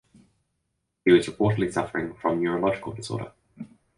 He was reportedly suffering from neurological disorder.